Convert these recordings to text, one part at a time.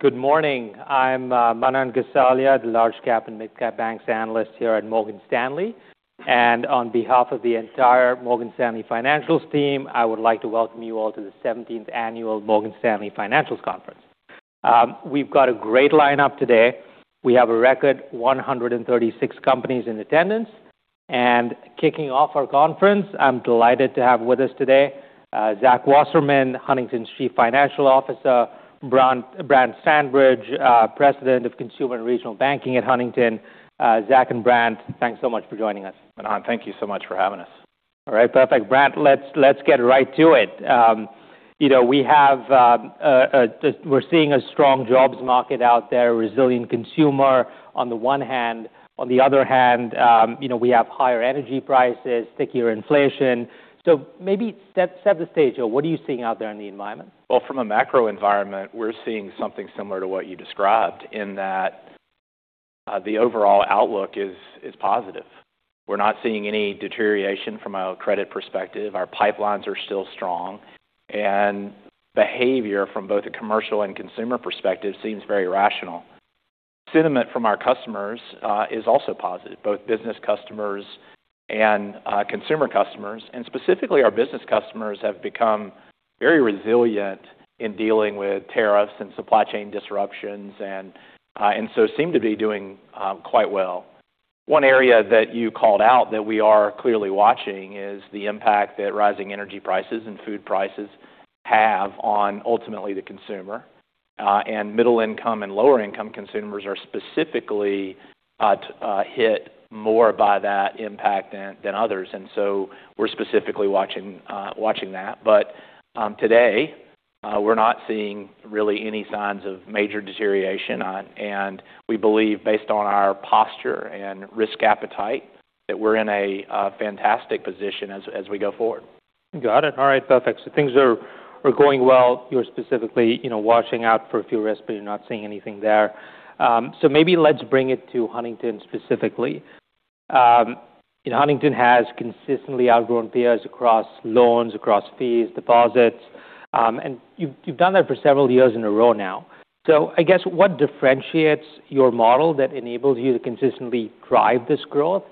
Good morning. I'm Manan Gosalia, the large-cap and mid-cap banks analyst here at Morgan Stanley. On behalf of the entire Morgan Stanley financials team, I would like to welcome you all to the 17th Annual Morgan Stanley Financials Conference. We've got a great lineup today. We have a record 136 companies in attendance. Kicking off our conference, I'm delighted to have with us today, Zach Wasserman, Huntington's Chief Financial Officer, Brant Standridge, President of Consumer and Regional Banking at Huntington. Zach and Brant, thanks so much for joining us. Manan, thank you so much for having us. All right. Perfect. Brant, let's get right to it. We're seeing a strong jobs market out there, resilient consumer on the one hand. On the other hand, we have higher energy prices, stickier inflation. Maybe set the stage. What are you seeing out there in the environment? From a macro environment, we're seeing something similar to what you described, in that the overall outlook is positive. We're not seeing any deterioration from a credit perspective. Our pipelines are still strong. Behavior from both a commercial and consumer perspective seems very rational. Sentiment from our customers is also positive, both business customers and consumer customers. Specifically, our business customers have become very resilient in dealing with tariffs and supply chain disruptions and so seem to be doing quite well. One area that you called out that we are clearly watching is the impact that rising energy prices and food prices have on, ultimately, the consumer. Middle income and lower income consumers are specifically hit more by that impact than others. So we are specifically watching that. Today, we're not seeing really any signs of major deterioration. We believe based on our posture and risk appetite, that we're in a fantastic position as we go forward. Got it. All right. Perfect. Things are going well. You're specifically watching out for a few risks, but you're not seeing anything there. Maybe let's bring it to Huntington specifically. Huntington has consistently outgrown peers across loans, across fees, deposits. You've done that for several years in a row now. I guess what differentiates your model that enables you to consistently drive this growth?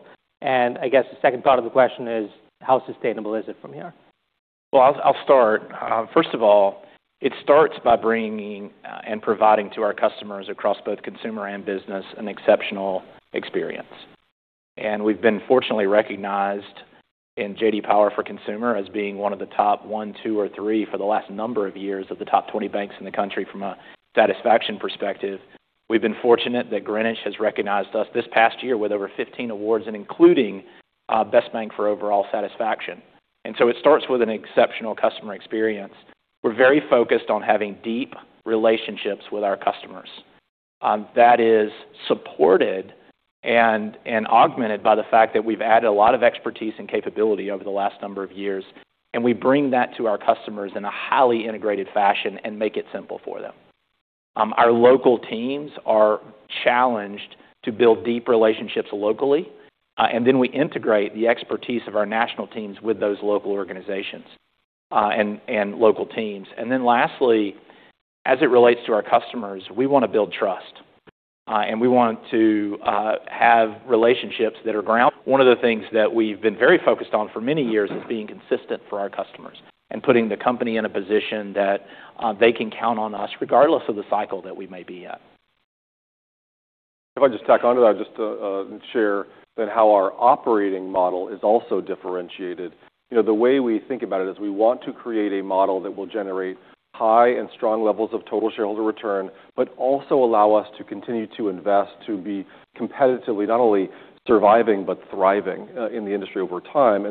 I guess the second part of the question is, how sustainable is it from here? Well, I'll start. First of all, it starts by bringing and providing to our customers across both consumer and business an exceptional experience. We've been fortunately recognized in J.D. Power for consumer as being one of the top one, two, or three for the last number of years of the top 20 banks in the country from a satisfaction perspective. We've been fortunate that Greenwich has recognized us this past year with over 15 awards including Best Bank for overall satisfaction. It starts with an exceptional customer experience. We're very focused on having deep relationships with our customers. That is supported and augmented by the fact that we've added a lot of expertise and capability over the last number of years, we bring that to our customers in a highly integrated fashion and make it simple for them. Our local teams are challenged to build deep relationships locally, we integrate the expertise of our national teams with those local organizations and local teams. Lastly, as it relates to our customers, we want to build trust. We want to have relationships that are ground. One of the things that we've been very focused on for many years is being consistent for our customers and putting the company in a position that they can count on us regardless of the cycle that we may be at. If I just tack onto that just to share that how our operating model is also differentiated. The way we think about it is we want to create a model that will generate high and strong levels of total shareholder return but also allow us to continue to invest to be competitively, not only surviving, but thriving in the industry over time.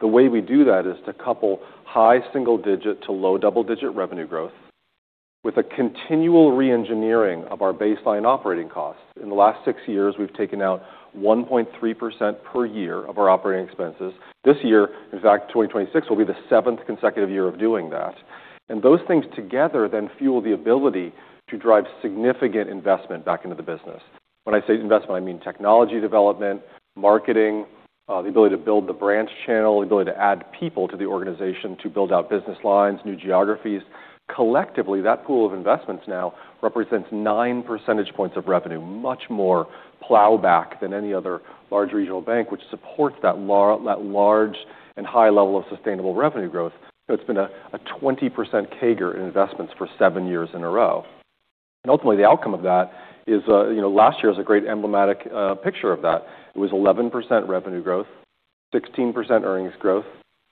The way we do that is to couple high single-digit to low double-digit revenue growth with a continual re-engineering of our baseline operating costs. In the last six years, we've taken out 1.3% per year of our operating expenses. This year, in fact, 2026 will be the seventh consecutive year of doing that. Those things together then fuel the ability to drive significant investment back into the business. When I say investment, I mean technology development, marketing, the ability to build the branch channel, the ability to add people to the organization to build out business lines, new geographies. Collectively, that pool of investments now represents 9 percentage points of revenue, much more plowback than any other large regional bank which supports that large and high level of sustainable revenue growth. It's been a 20% CAGR in investments for seven years in a row. Ultimately the outcome of that is last year is a great emblematic picture of that. It was 11% revenue growth, 16% earnings growth,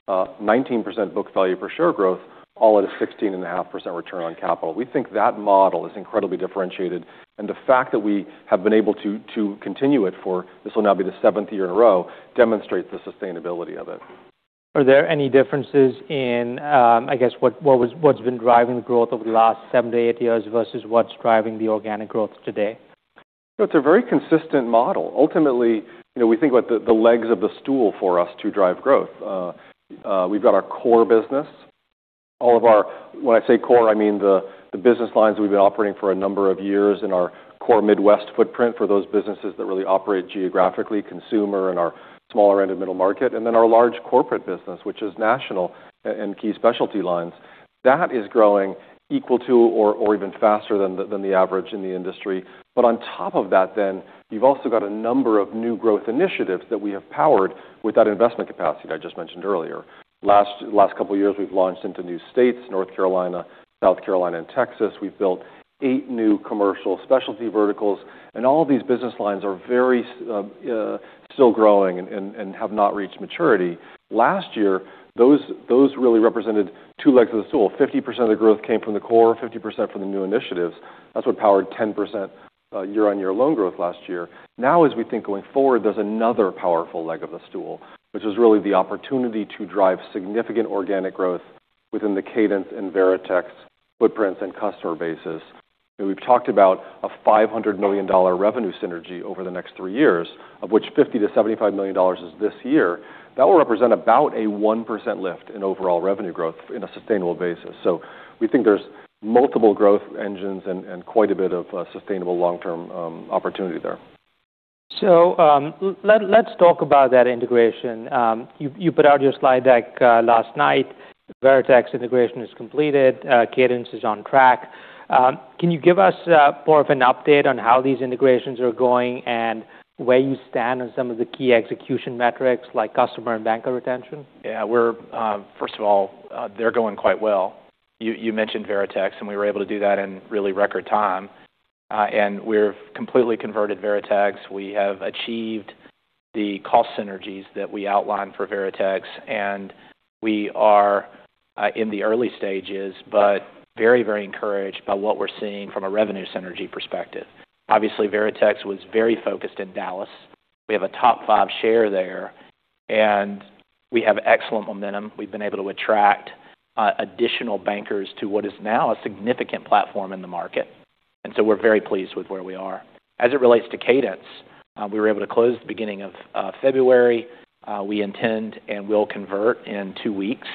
19% book value per share growth, all at a 16.5% return on capital. We think that model is incredibly differentiated, and the fact that we have been able to continue it for, this will now be the seventh year in a row, demonstrates the sustainability of it. Are there any differences in, I guess what's been driving the growth over the last seven to eight years versus what's driving the organic growth today? It's a very consistent model. Ultimately, we think about the legs of the stool for us to drive growth. We've got our core business. When I say core, I mean the business lines we've been operating for a number of years in our core Midwest footprint for those businesses that really operate geographically, consumer and our smaller end of middle market, and then our large corporate business, which is national and key specialty lines. That is growing equal to or even faster than the average in the industry. On top of that then, you've also got a number of new growth initiatives that we have powered with that investment capacity that I just mentioned earlier. Last couple years, we've launched into new states, North Carolina, South Carolina, and Texas. We've built eight new commercial specialty verticals; all of these business lines are very still growing and have not reached maturity. Last year, those really represented two legs of the stool. 50% of the growth came from the core, 50% from the new initiatives. That's what powered 10% year-on-year loan growth last year. As we think going forward, there's another powerful leg of the stool, which is really the opportunity to drive significant organic growth within the Cadence and Veritex footprints and customer bases. We've talked about a $500 million revenue synergy over the next three years, of which $50 million-$75 million is this year. That will represent about a 1% lift in overall revenue growth in a sustainable basis. We think there's multiple growth engines and quite a bit of sustainable long-term opportunity there. Let's talk about that integration. You put out your slide deck last night. The Veritex integration is completed. Cadence is on track. Can you give us more of an update on how these integrations are going and where you stand on some of the key execution metrics, like customer and banker retention? First of all, they're going quite well. You mentioned Veritex, we were able to do that in really record time. We've completely converted Veritex. We have achieved the cost synergies that we outlined for Veritex, we are in the early stages but very encouraged by what we're seeing from a revenue synergy perspective. Obviously, Veritex was very focused in Dallas. We have a top five share there, we have excellent momentum. We've been able to attract additional bankers to what is now a significant platform in the market. We're very pleased with where we are. As it relates to Cadence, we were able to close at the beginning of February. We intend and will convert in two weeks,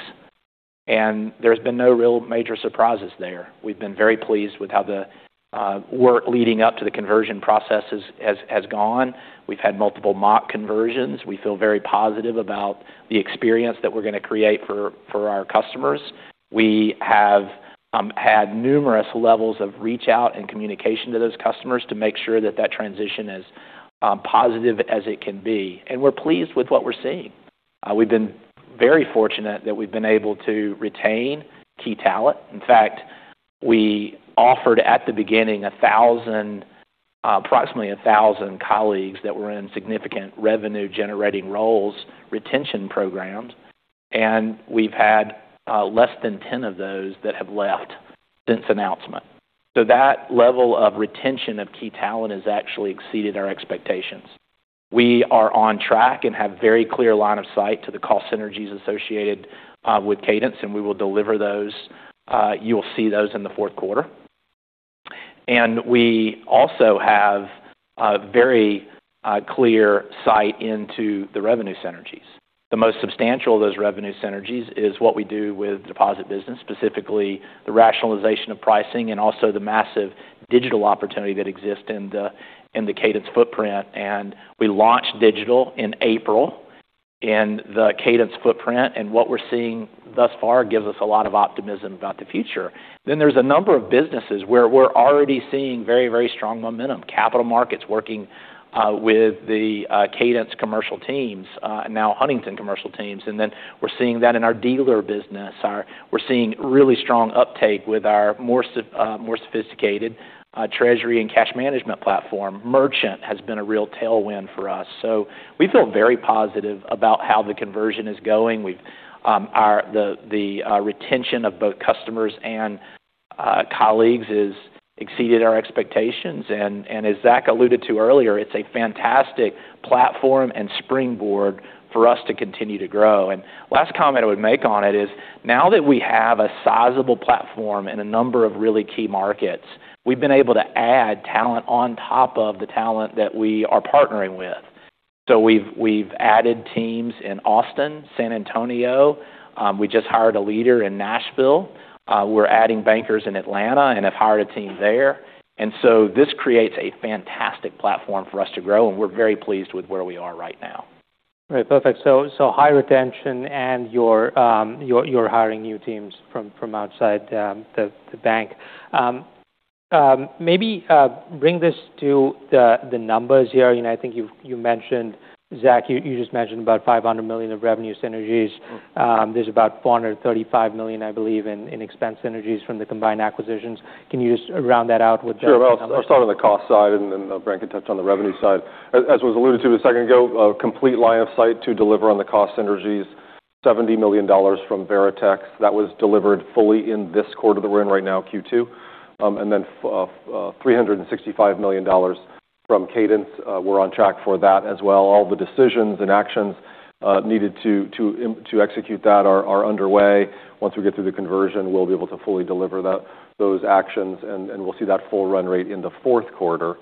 there's been no real major surprises there. We've been very pleased with how the work leading up to the conversion processes has gone. We've had multiple mock conversions. We feel very positive about the experience that we're going to create for our customers. We have had numerous levels of reach out and communication to those customers to make sure that that transition is positive as it can be. We're pleased with what we're seeing. We've been very fortunate that we've been able to retain key talent. In fact, we offered at the beginning approximately 1,000 colleagues that were in significant revenue-generating roles retention programs, we've had less than 10 of those that have left since announcement. That level of retention of key talent has actually exceeded our expectations. We are on track and have very clear line of sight to the cost synergies associated with Cadence, we will deliver those. You'll see those in the fourth quarter. We also have a very clear sight into the revenue synergies. The most substantial of those revenue synergies is what we do with deposit business, specifically the rationalization of pricing and also the massive digital opportunity that exists in the Cadence footprint. We launched digital in April in the Cadence footprint, and what we're seeing thus far gives us a lot of optimism about the future. There's a number of businesses where we're already seeing very strong momentum. Capital markets working with the Cadence commercial teams, now Huntington commercial teams. We're seeing that in our dealer business. We're seeing really strong uptake with our more sophisticated treasury and cash management platform. Merchant has been a real tailwind for us. We feel very positive about how the conversion is going. The retention of both customers and colleagues has exceeded our expectations. As Zach alluded to earlier, it's a fantastic platform and springboard for us to continue to grow. Last comment I would make on it is, now that we have a sizable platform in a number of really key markets, we've been able to add talent on top of the talent that we are partnering with. We've added teams in Austin, San Antonio. We just hired a leader in Nashville. We're adding bankers in Atlanta and have hired a team there. This creates a fantastic platform for us to grow, and we're very pleased with where we are right now. Right. Perfect. High retention and you're hiring new teams from outside the bank. Maybe bring this to the numbers here. I think you mentioned, Zach, you just mentioned about $500 million of revenue synergies. There's about $435 million, I believe, in expense synergies from the combined acquisitions. Can you just round that out with those numbers? Sure. I'll start on the cost side, Brant can touch on the revenue side. As was alluded to a second ago, a complete line of sight to deliver on the cost synergies, $70 million from Veritex. That was delivered fully in this quarter that we're in right now, Q2. $365 million from Cadence. We're on track for that as well. All the decisions and actions needed to execute that are underway. Once we get through the conversion, we'll be able to fully deliver those actions, and we'll see that full run rate in the fourth quarter.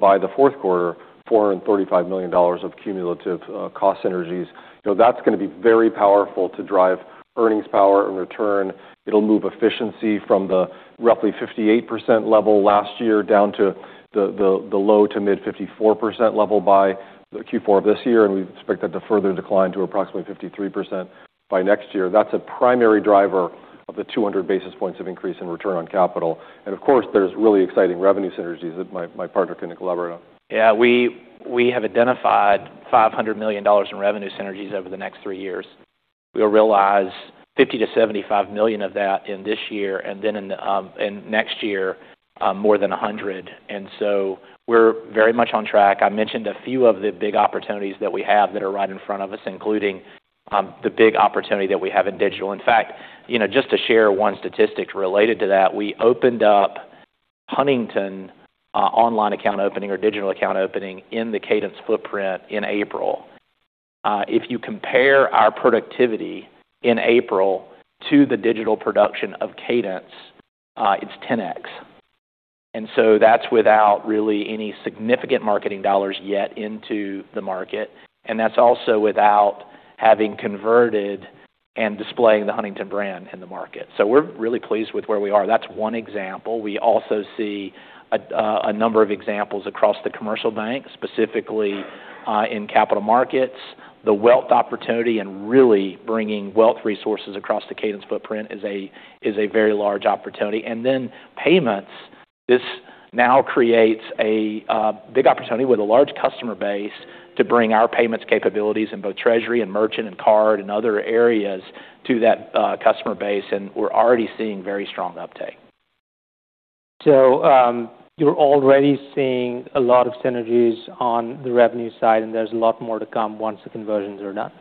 By the fourth quarter, $435 million of cumulative cost synergies. That's going to be very powerful to drive earnings power and return. It'll move efficiency from the roughly 58% level last year down to the low to mid 54% level by Q4 of this year. We expect that to further decline to approximately 53% by next year. That's a primary driver of the 200 basis points of increase in return on capital. Of course, there's really exciting revenue synergies that my partner can elaborate on. Yeah. We have identified $500 million in revenue synergies over the next three years. We'll realize $50 million-$75 million of that in this year, then in next year, more than $100 million. We're very much on track. I mentioned a few of the big opportunities that we have that are right in front of us, including the big opportunity that we have in digital. In fact, just to share one statistic related to that, we opened up Huntington online account opening or digital account opening in the Cadence footprint in April. If you compare our productivity in April to the digital production of Cadence, it's 10x. That's without really any significant marketing dollars yet into the market, and that's also without having converted and displaying the Huntington brand in the market. We're really pleased with where we are. That's one example. We also see a number of examples across the commercial bank, specifically in capital markets, the wealth opportunity and really bringing wealth resources across the Cadence footprint is a very large opportunity. Payments. This now creates a big opportunity with a large customer base to bring our payments capabilities in both treasury and merchant and card and other areas to that customer base, and we're already seeing very strong uptake. You're already seeing a lot of synergies on the revenue side, and there's a lot more to come once the conversions are done.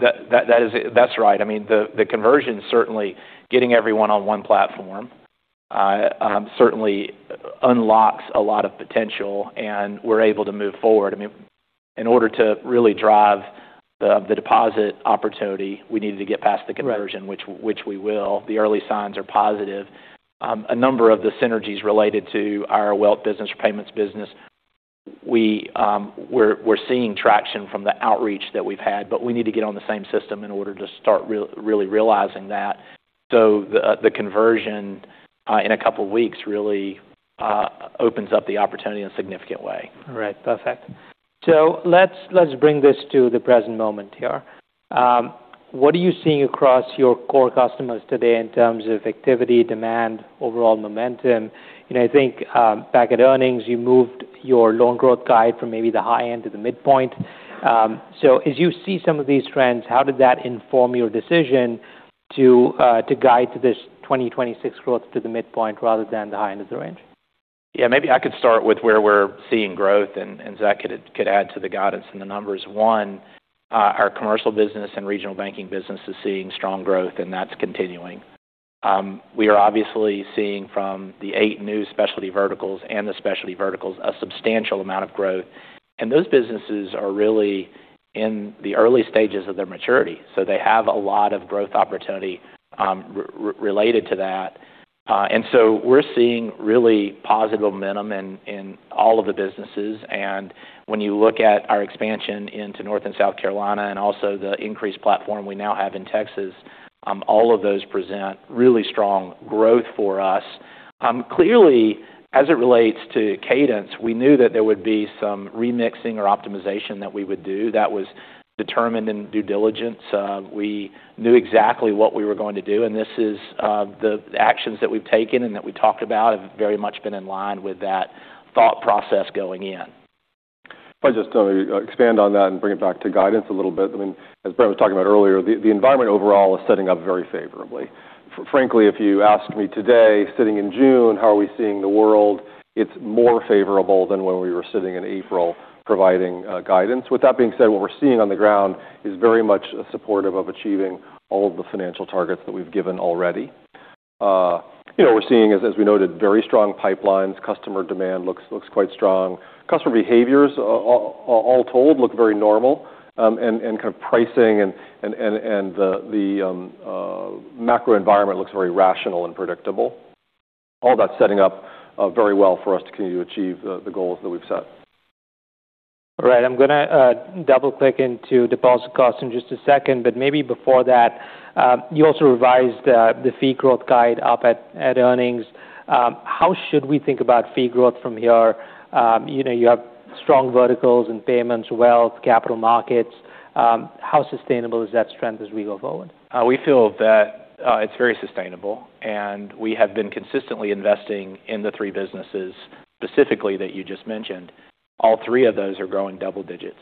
That's right. The conversion, certainly getting everyone on one platform certainly unlocks a lot of potential, and we're able to move forward. In order to really drive the deposit opportunity, we needed to get past the conversion- Right which we will. The early signs are positive. A number of the synergies related to our wealth business or payments business. We're seeing traction from the outreach that we've had, but we need to get on the same system in order to start really realizing that. The conversion in a couple of weeks really opens up the opportunity in a significant way. Right. Perfect. Let's bring this to the present moment here. What are you seeing across your core customers today in terms of activity, demand, overall momentum? I think back at earnings, you moved your loan growth guide from maybe the high end to the midpoint. As you see some of these trends, how did that inform your decision to guide this 2026 growth to the midpoint rather than the high end of the range? Yeah. Maybe I could start with where we're seeing growth, and Zach could add to the guidance and the numbers. One, our commercial business and regional banking business is seeing strong growth, and that's continuing. We are obviously seeing from the eight new specialty verticals and the specialty verticals a substantial amount of growth. Those businesses are really in the early stages of their maturity. They have a lot of growth opportunity related to that. We're seeing really positive momentum in all of the businesses. When you look at our expansion into North and South Carolina and also the increased platform we now have in Texas, all of those present really strong growth for us. Clearly, as it relates to Cadence, we knew that there would be some remixing or optimization that we would do that was determined in due diligence. We knew exactly what we were going to do, and the actions that we've taken and that we talked about have very much been in line with that thought process going in. If I just expand on that and bring it back to guidance a little bit. As Brant was talking about earlier, the environment overall is setting up very favorably. Frankly, if you ask me today, sitting in June, how are we seeing the world? It's more favorable than when we were sitting in April providing guidance. With that being said, what we're seeing on the ground is very much supportive of achieving all of the financial targets that we've given already. We're seeing, as we noted, very strong pipelines. Customer demand looks quite strong. Customer behaviors, all told, look very normal, and pricing and the macro environment looks very rational and predictable. All that's setting up very well for us to continue to achieve the goals that we've set. All right. I'm going to double-click into deposit costs in just a second. Maybe before that, you also revised the fee growth guide up at earnings. How should we think about fee growth from here? You have strong verticals in payments, wealth, capital markets. How sustainable is that strength as we go forward? We feel that it's very sustainable, and we have been consistently investing in the three businesses specifically that you just mentioned. All three of those are growing double digits.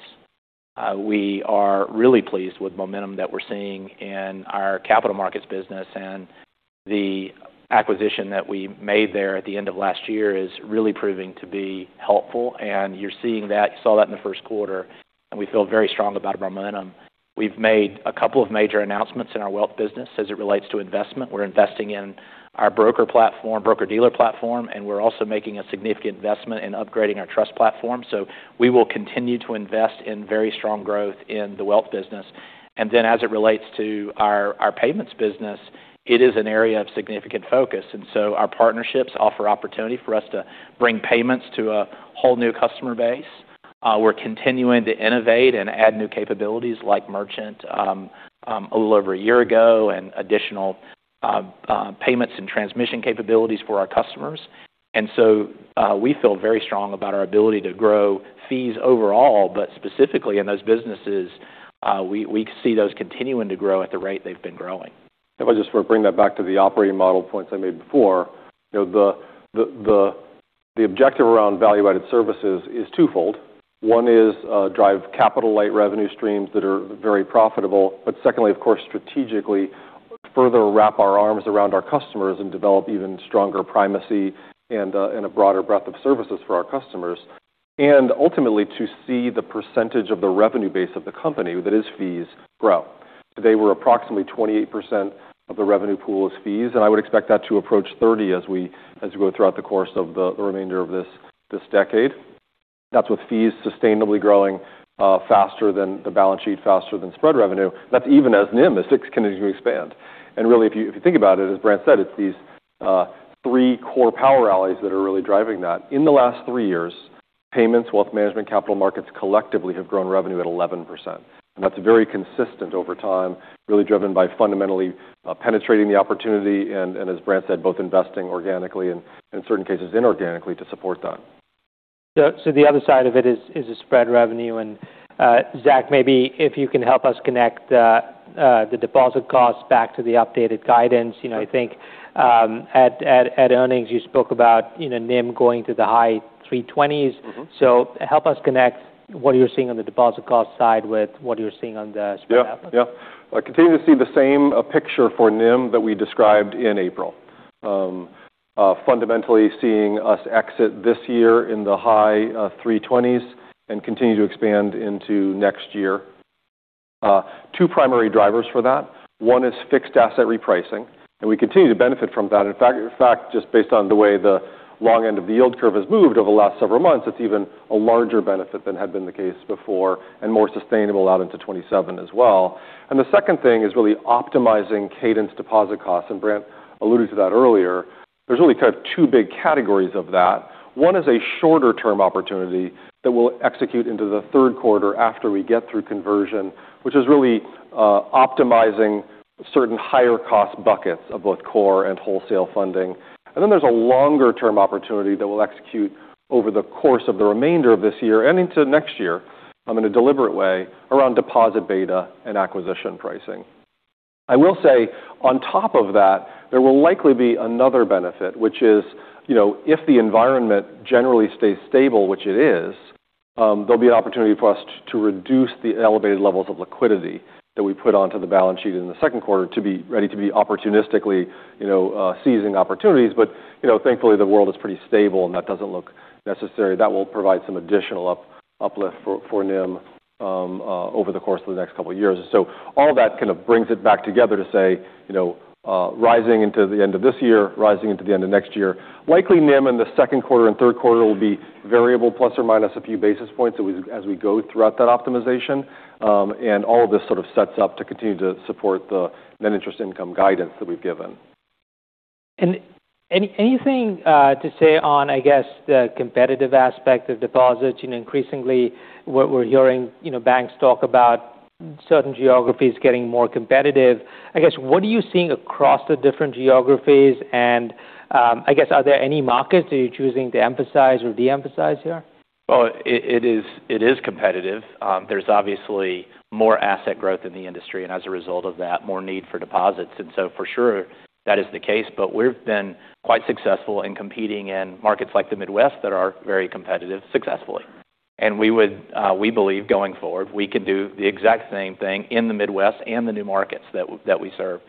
We are really pleased with momentum that we're seeing in our capital markets business, and the acquisition that we made there at the end of last year is really proving to be helpful. You saw that in the first quarter, and we feel very strong about our momentum. We've made a couple of major announcements in our wealth business as it relates to investment. We're investing in our broker-dealer platform, and we're also making a significant investment in upgrading our trust platform. We will continue to invest in very strong growth in the wealth business. As it relates to our payments business, it is an area of significant focus. Our partnerships offer opportunity for us to bring payments to a whole new customer base. We're continuing to innovate and add new capabilities like merchant a little over one year ago and additional payments and treasury capabilities for our customers. We feel very strong about our ability to grow fees overall, but specifically in those businesses, we see those continuing to grow at the rate they've been growing. If I just bring that back to the operating model points I made before. The objective around value-added services is twofold. One is drive capital-light revenue streams that are very profitable. Secondly, of course, strategically further wrap our arms around our customers and develop even stronger primacy and a broader breadth of services for our customers. Ultimately to see the percentage of the revenue base of the company that is fees grow. Today we're approximately 28% of the revenue pool is fees, and I would expect that to approach 30% as we go throughout the course of the remainder of this decade. That's with fees sustainably growing faster than the balance sheet, faster than spread revenue. That's even as NIMs continue to expand. Really, if you think about it, as Brant said, it's these three core power alleys that are really driving that. In the last three years, payments, wealth management, capital markets collectively have grown revenue at 11%. That's very consistent over time, really driven by fundamentally penetrating the opportunity and as Brant said, both investing organically and in certain cases inorganically to support that. The other side of it is the spread revenue. Zach, maybe if you can help us connect the deposit cost back to the updated guidance. I think at earnings you spoke about NIM going to the high 3.20s. Help us connect what you're seeing on the deposit cost side with what you're seeing on the spread revenue. Continue to see the same picture for NIM that we described in April. Fundamentally seeing us exit this year in the high 3.20s and continue to expand into next year. Two primary drivers for that. One is fixed asset repricing, and we continue to benefit from that. In fact, just based on the way the long end of the yield curve has moved over the last several months, it's even a larger benefit than had been the case before and more sustainable out into 2027 as well. The second thing is really optimizing Cadence deposit costs, and Brant alluded to that earlier. There's really kind of two big categories of that. One is a shorter-term opportunity that we'll execute into the third quarter after we get through conversion, which is really optimizing certain higher cost buckets of both core and wholesale funding. There's a longer-term opportunity that we'll execute over the course of the remainder of this year and into next year in a deliberate way around deposit beta and acquisition pricing. I will say on top of that, there will likely be another benefit, which is if the environment generally stays stable, which it is, there'll be an opportunity for us to reduce the elevated levels of liquidity that we put onto the balance sheet in the second quarter to be ready to be opportunistically seizing opportunities. Thankfully the world is pretty stable and that doesn't look necessary. That will provide some additional uplift for NIM over the course of the next couple of years. All that kind of brings it back together to say rising into the end of this year, rising into the end of next year. Likely NIM in the second quarter and third quarter will be variable plus or minus a few basis points as we go throughout that optimization. All of this sort of sets up to continue to support the net interest income guidance that we've given. Anything to say on the competitive aspect of deposits? Increasingly we're hearing banks talk about certain geographies getting more competitive. What are you seeing across the different geographies? Are there any markets that you're choosing to emphasize or de-emphasize here? Well, it is competitive. There's obviously more asset growth in the industry, and as a result of that, more need for deposits. For sure that is the case. We've been quite successful in competing in markets like the Midwest that are very competitive successfully. We believe going forward, we can do the exact same thing in the Midwest and the new markets that we serve.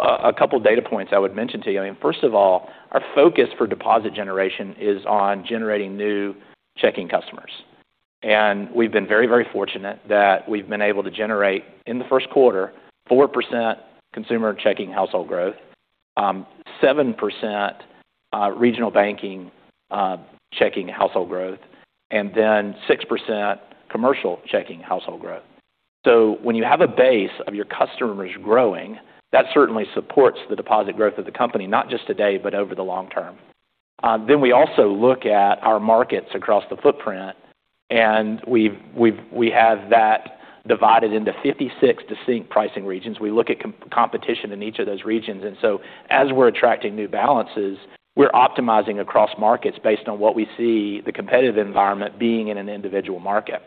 A couple data points I would mention to you. I mean, first of all, our focus for deposit generation is on generating new checking customers. We've been very fortunate that we've been able to generate in the first quarter 4% consumer checking household growth, 7% regional banking checking household growth, and 6% commercial checking household growth. When you have a base of your customers growing, that certainly supports the deposit growth of the company, not just today, but over the long term. We also look at our markets across the footprint, and we have that divided into 56 distinct pricing regions. We look at competition in each of those regions. As we're attracting new balances, we're optimizing across markets based on what we see the competitive environment being in an individual market.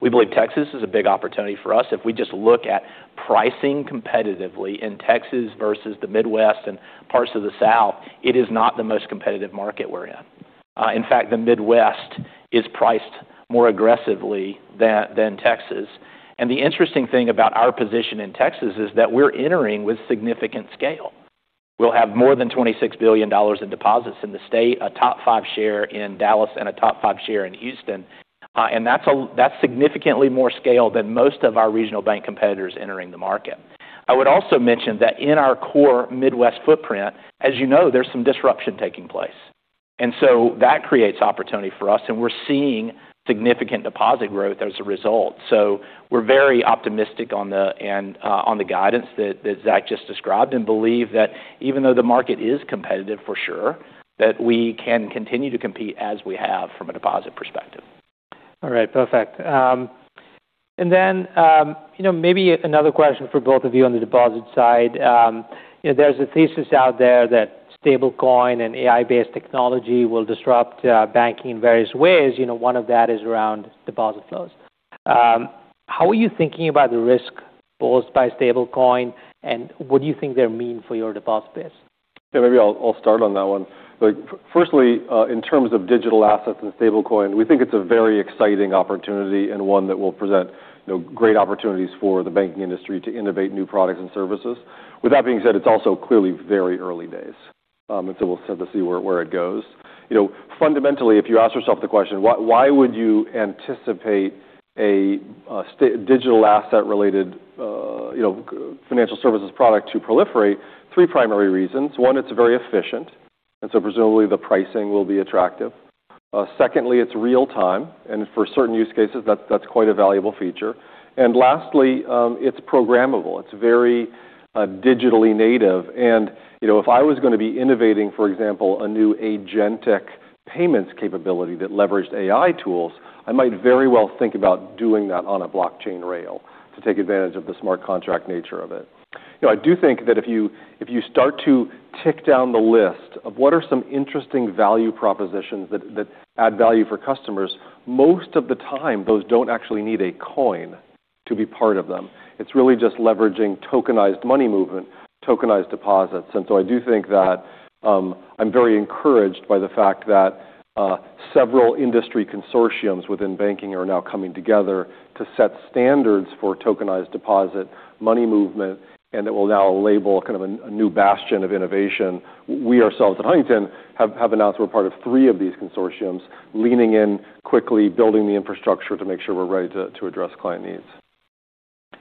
We believe Texas is a big opportunity for us. If we just look at pricing competitively in Texas versus the Midwest and parts of the South, it is not the most competitive market we're in. In fact, the Midwest is priced more aggressively than Texas. The interesting thing about our position in Texas is that we're entering with significant scale. We'll have more than $26 billion in deposits in the state, a top five share in Dallas and a top five share in Houston. That's significantly more scale than most of our regional bank competitors entering the market. I would also mention that in our core Midwest footprint, as you know, there's some disruption taking place. That creates opportunity for us, and we're seeing significant deposit growth as a result. We're very optimistic on the guidance that Zach just described and believe that even though the market is competitive for sure, that we can continue to compete as we have from a deposit perspective. All right. Perfect. Maybe another question for both of you on the deposit side. There's a thesis out there that stablecoin and AI-based technology will disrupt banking in various ways. One of that is around deposit flows. How are you thinking about the risk posed by stablecoin, and what do you think they'll mean for your depositors? Yeah, maybe I'll start on that one. Firstly, in terms of digital assets and stablecoin, we think it's a very exciting opportunity, and one that will present great opportunities for the banking industry to innovate new products and services. With that being said, it's also clearly very early days, and so we'll have to see where it goes. Fundamentally, if you ask yourself the question, why would you anticipate a digital asset-related financial services product to proliferate? Three primary reasons. One, it's very efficient, and so presumably the pricing will be attractive. Secondly, it's real time, and for certain use cases, that's quite a valuable feature. Lastly, it's programmable. It's very digitally native. If I was going to be innovating, for example, a new agentic payments capability that leveraged AI tools, I might very well think about doing that on a blockchain rail to take advantage of the smart contract nature of it. I do think that if you start to tick down the list of what are some interesting value propositions that add value for customers, most of the time, those don't actually need a coin to be part of them. It's really just leveraging tokenized money movement, tokenized deposits. I do think that I'm very encouraged by the fact that several industry consortiums within banking are now coming together to set standards for tokenized deposit money movement, and that will now label a new bastion of innovation. We ourselves at Huntington have announced we're part of three of these consortiums, leaning in quickly, building the infrastructure to make sure we're ready to address client needs.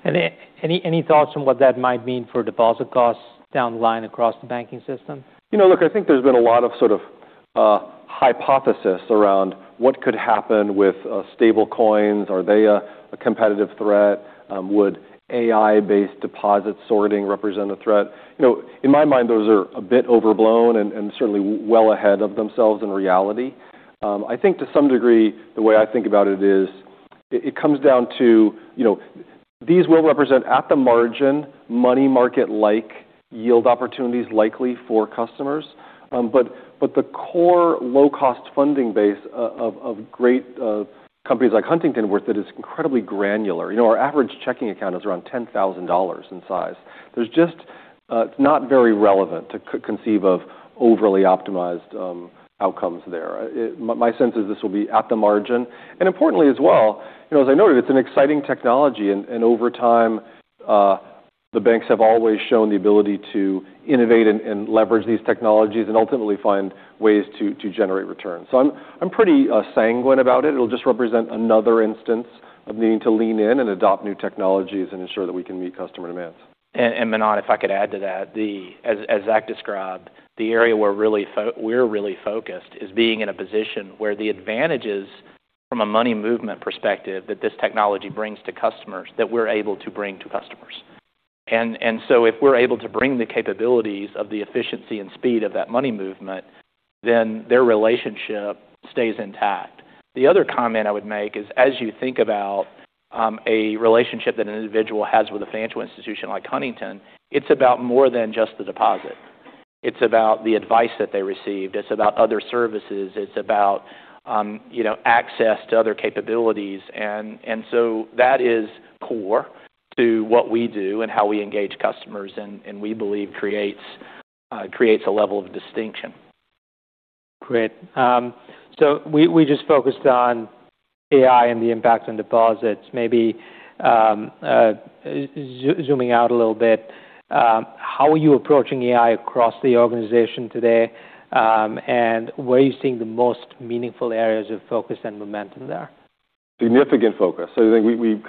Any thoughts on what that might mean for deposit costs down the line across the banking system? I think there's been a lot of hypotheses around what could happen with stablecoins. Are they a competitive threat? Would AI-based deposit sorting represent a threat? In my mind, those are a bit overblown and certainly well ahead of themselves in reality. I think to some degree, the way I think about it is it comes down to these will represent at the margin money market-like yield opportunities likely for customers. But the core low-cost funding base of great companies like Huntington worth it is incredibly granular. Our average checking account is around $10,000 in size. It's not very relevant to conceive of overly optimized outcomes there. My sense is this will be at the margin. Importantly as well, as I noted, it's an exciting technology. Over time, the banks have always shown the ability to innovate and leverage these technologies and ultimately find ways to generate returns. I'm pretty sanguine about it. It'll just represent another instance of needing to lean in and adopt new technologies and ensure that we can meet customer demands. Manan, if I could add to that. As Zach described, the area where we're really focused is being in a position where the advantages from a money movement perspective that this technology brings to customers, that we're able to bring to customers. If we're able to bring the capabilities of the efficiency and speed of that money movement, then their relationship stays intact. The other comment I would make is as you think about a relationship that an individual has with a financial institution like Huntington, it's about more than just the deposit. It's about the advice that they received. It's about other services. It's about access to other capabilities. That is core to what we do and how we engage customers, and we believe creates a level of distinction. Great. We just focused on AI and the impact on deposits. Maybe zooming out a little bit, how are you approaching AI across the organization today? Where are you seeing the most meaningful areas of focus and momentum there? Significant focus. I think we've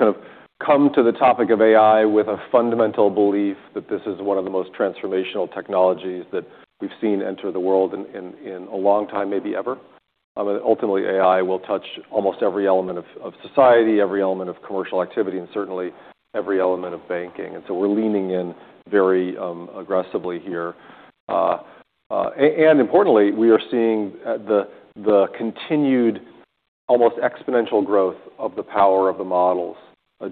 come to the topic of AI with a fundamental belief that this is one of the most transformational technologies that we've seen enter the world in a long time, maybe ever. Ultimately, AI will touch almost every element of society, every element of commercial activity, and certainly every element of banking. We're leaning in very aggressively here. Importantly, we are seeing the continued, almost exponential growth of the power of the models. We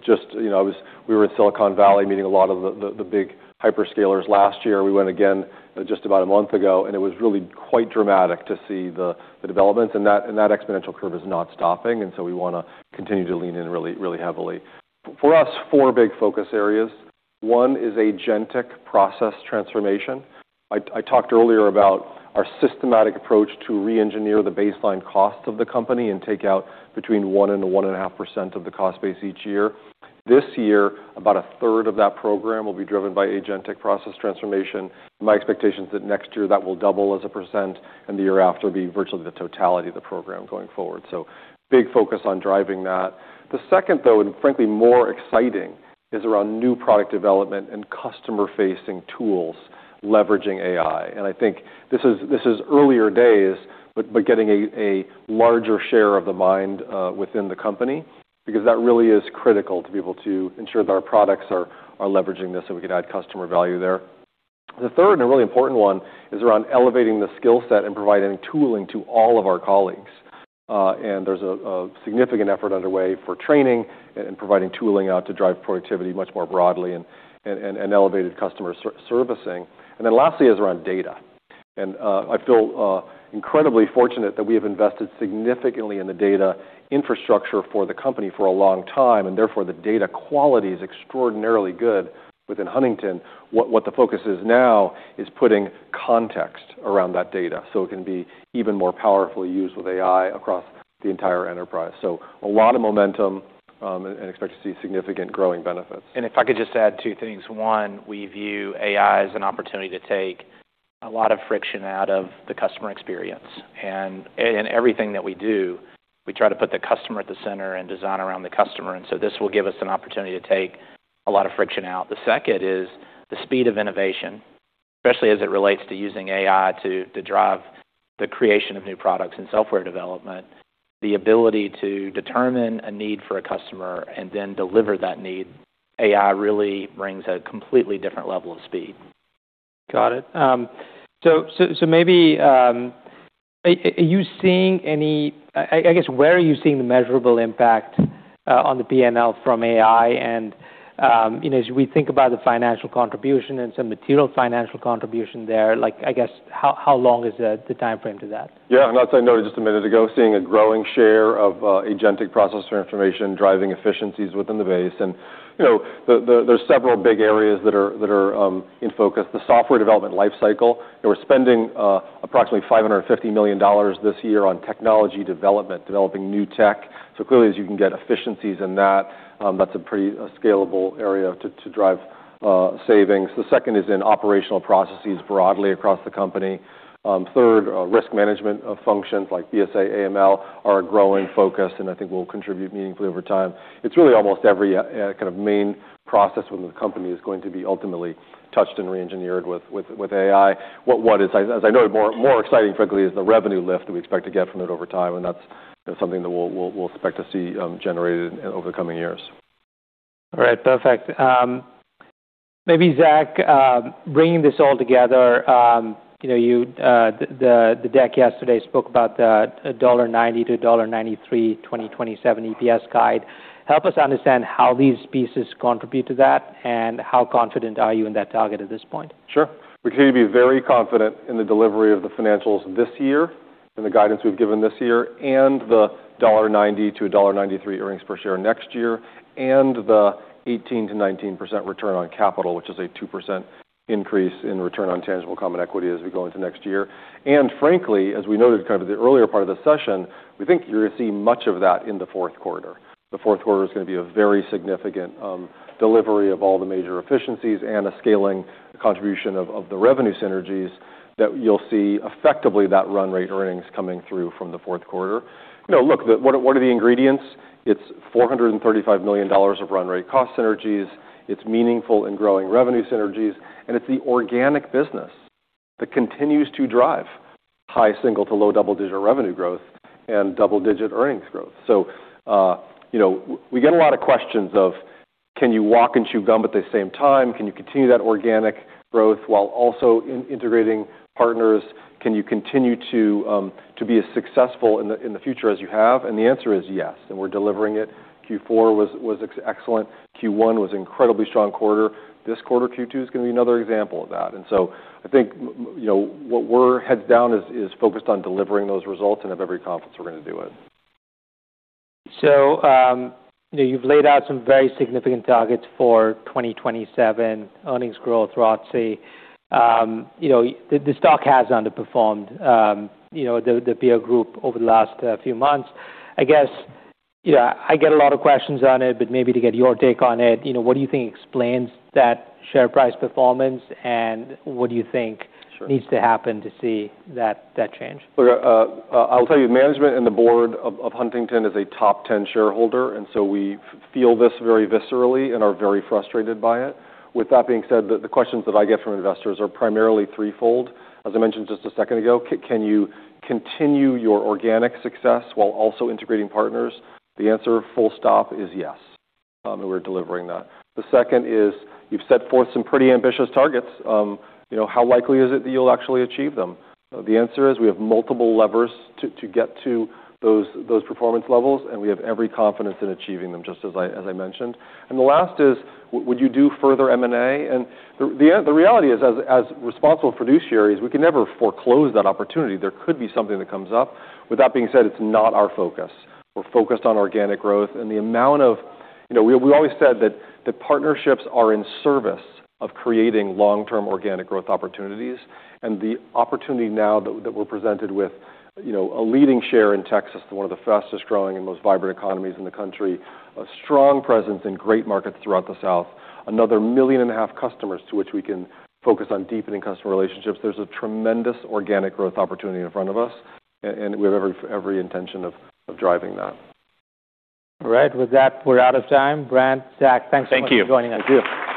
were in Silicon Valley meeting a lot of the big hyperscalers last year. We went again just about a month ago, and it was really quite dramatic to see the developments. That exponential curve is not stopping, and so we want to continue to lean in really heavily. For us, four big focus areas. One is agentic process transformation. I talked earlier about our systematic approach to re-engineer the baseline cost of the company and take out between 1% and 1.5% of the cost base each year. This year, about a third of that program will be driven by agentic process transformation. My expectation is that next year that will double as a percent, and the year after be virtually the totality of the program going forward. Big focus on driving that. The second, though, and frankly more exciting, is around new product development and customer-facing tools leveraging AI. I think this is earlier days but getting a larger share of the mind within the company, because that really is critical to be able to ensure that our products are leveraging this so we can add customer value there. The third, and a really important one, is around elevating the skill set and providing tooling to all of our colleagues. There's a significant effort underway for training and providing tooling out to drive productivity much more broadly and elevated customer servicing. Lastly is around data. I feel incredibly fortunate that we have invested significantly in the data infrastructure for the company for a long time, and therefore the data quality is extraordinarily good within Huntington. What the focus is now is putting context around that data so it can be even more powerfully used with AI across the entire enterprise. A lot of momentum and expect to see significant growing benefits. If I could just add two things. One, we view AI as an opportunity to take a lot of friction out of the customer experience. In everything that we do, we try to put the customer at the center and design around the customer. This will give us an opportunity to take a lot of friction out. The second is the speed of innovation, especially as it relates to using AI to drive the creation of new products and software development. The ability to determine a need for a customer and then deliver that need, AI really brings a completely different level of speed. Got it. I guess, where are you seeing the measurable impact on the P&L from AI? As we think about the financial contribution and some material financial contribution there, I guess, how long is the timeframe to that? Yeah. As I noted just a minute ago, seeing a growing share of agentic process transformation driving efficiencies within the base. There's several big areas that are in focus. The software development life cycle. We're spending approximately $550 million this year on technology development, developing new tech. Clearly, as you can get efficiencies in that's a pretty scalable area to drive savings. The second is in operational processes broadly across the company. Third, risk management of functions like BSA, AML are a growing focus, and I think will contribute meaningfully over time. It's really almost every kind of main process within the company is going to be ultimately touched and re-engineered with AI. What is, as I noted, more exciting frankly is the revenue lift that we expect to get from it over time. That's something that we'll expect to see generated over the coming years. All right. Perfect. Maybe Zach, bringing this all together, the deck yesterday spoke about the $1.90-$1.93 2027 EPS guide. Help us understand how these pieces contribute to that, and how confident are you in that target at this point? Sure. We continue to be very confident in the delivery of the financials this year and the guidance we've given this year, and the $1.90-$1.93 earnings per share next year, and the 18%-19% return on capital, which is a 2% increase in return on tangible common equity as we go into next year. Frankly, as we noted kind of at the earlier part of the session, we think you're going to see much of that in the fourth quarter. The fourth quarter is going to be a very significant delivery of all the major efficiencies and a scaling contribution of the revenue synergies that you'll see effectively that run rate earnings coming through from the fourth quarter. What are the ingredients? It's $435 million of run rate cost synergies. It's meaningful and growing revenue synergies. It's the organic business that continues to drive high single to low double-digit revenue growth and double-digit earnings growth. We get a lot of questions of; can you walk and chew gum at the same time? Can you continue that organic growth while also integrating partners? Can you continue to be as successful in the future as you have? The answer is yes, and we're delivering it. Q4 was excellent. Q1 was incredibly strong quarter. This quarter, Q2, is going to be another example of that. I think what we're heads down is focused on delivering those results and have every confidence we're going to do it. You've laid out some very significant targets for 2027, earnings growth, ROCE. The stock has underperformed the peer group over the last few months. I guess, I get a lot of questions on it, but maybe to get your take on it, what do you think explains that share price performance, and what do you think. Sure needs to happen to see that change? Look, I'll tell you, management and the board of Huntington is a top 10 shareholder, so we feel this very viscerally and are very frustrated by it. With that being said, the questions that I get from investors are primarily threefold. As I mentioned just a second ago, can you continue your organic success while also integrating partners? The answer, full stop, is yes. We're delivering that. The second is, you've set forth some pretty ambitious targets. How likely is it that you'll actually achieve them? The answer is we have multiple levers to get to those performance levels, and we have every confidence in achieving them, just as I mentioned. The last is, would you do further M&A? The reality is, as responsible fiduciaries, we can never foreclose that opportunity. There could be something that comes up. With that being said, it's not our focus. We're focused on organic growth. We always said that partnerships are in service of creating long-term organic growth opportunities. The opportunity now that we're presented with a leading share in Texas, one of the fastest-growing and most vibrant economies in the country, a strong presence in great markets throughout the South, another million and a half customers to which we can focus on deepening customer relationships. There's a tremendous organic growth opportunity in front of us, and we have every intention of driving that. All right. With that, we're out of time. Brant, Zach, thanks so much for joining us.